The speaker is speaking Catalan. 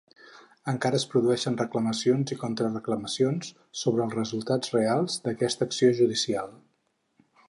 Encara es produeixen reclamacions i contra reclamacions sobre els resultats reals d'aquesta acció judicial.